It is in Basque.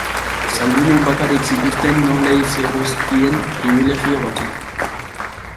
Zaldunek bakarrik zituzten nobleei zegozkien pribilegio batzuk.